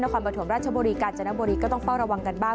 นครบรัชโบรีการจนบุรีก็ต้องเฝ้าระวังกันบ้าง